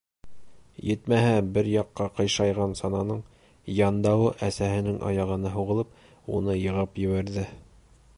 Етмәһә, бер яҡҡа ҡыйшайған сананың яндауы әсәһенең аяғына һуғылып, уны йығып ебәрҙе.